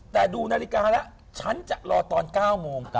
แต่ดูนาฬิกาแล้วฉันจะรอตอน๙โมง